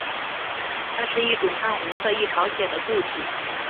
它是一种暗红色易潮解的固体。